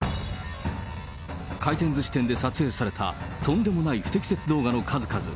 回転ずし店で撮影された、とんでもない不適切動画の数々。